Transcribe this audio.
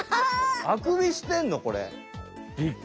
あくびしてんのこれ？